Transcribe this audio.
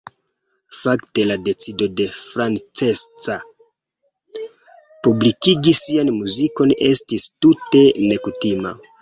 Fakte la decido de Francesca publikigi sian muzikon estis tute nekutima.